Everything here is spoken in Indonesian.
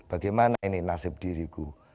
bagaimana ini nasib diriku